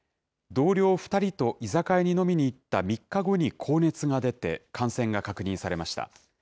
同僚２人と居酒屋に飲みに行った３日後に高熱が出て、感染が確認されました。